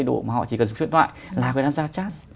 cái thay đổi mà họ chỉ cần sử dụng truyền thoại là người ta ra chat